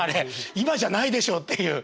「今じゃないでしょ」っていう。